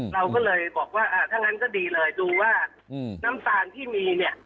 เราก็เลยบอกว่าถ้างั้นก็ดีเลยดูว่าน้ำตาลที่มีเนี่ย